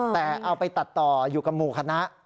แต่เอาไปตัดต่ออยู่กับหมู่คณะ